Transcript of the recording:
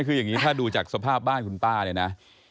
คืออย่างนี้ถ้าดูจากสภาพบ้านคุณป้าเนี่ยนะ